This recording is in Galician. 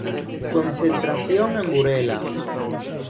Concentración en Burela.